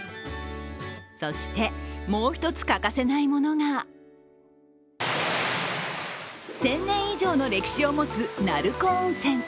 そして、もう一つ欠かせないものが１０００年以上の歴史を持つ鳴子温泉。